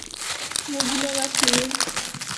মহিলারা, প্লিজ।